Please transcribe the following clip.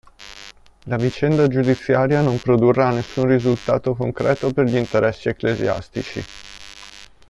La vicenda giudiziaria non produrrà nessun risultato concreto per gli interessi ecclesiastici.